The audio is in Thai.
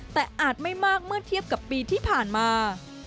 แต่อาจไม่มากเมื่อเทียบกับปีที่ผ่านมา